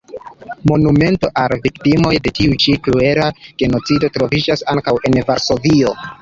Monumento al la viktimoj de tiu ĉi kruela genocido troviĝas ankaŭ en Varsovio.